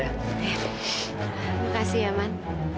terima kasih ya man